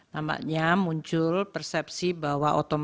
namanya muncul persepsi bahwa automatic adjustment